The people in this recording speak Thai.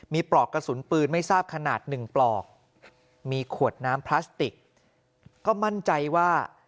มีปลอกกระสุนปืนไม่ทราบขนาดหนึ่งปลอกมีขวดน้ำพลาสติกก็มั่นใจว่า